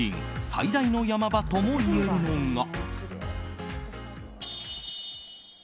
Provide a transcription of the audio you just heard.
最大の山場ともいえるのが。